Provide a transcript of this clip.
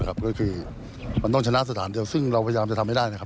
ก็คือมันต้องชนะสถานเดียวซึ่งเราพยายามจะทำให้ได้นะครับ